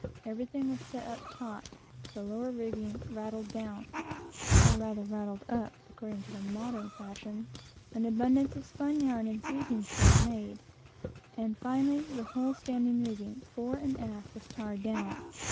Everything was set up taut, the lower rigging rattled down, or rather rattled up, (according to the modern fashion,) an abundance of spun yarn and seizing stuff made, and finally, the whole standing rigging, fore and aft, was tarred down.